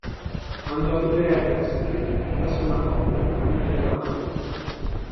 Andò a vivere a Jacksonville, presso una coppia, amica della madre.